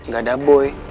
gak ada boy